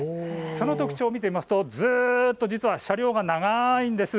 その特徴を見てみますとずっと車両が長いんです。